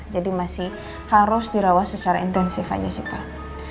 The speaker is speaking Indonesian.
jadi masih harus dirawat secara intensif aja sih pak